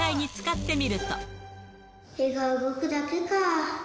絵が動くだけかぁ。